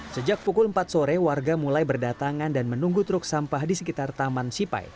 sejak pukul empat sore warga mulai berdatangan dan menunggu truk sampah di sekitar taman sipai